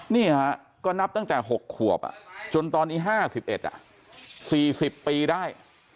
นี่ฮะก็นับตั้งแต่๖ขวบจนตอนนี้๕๑๔๐ปีได้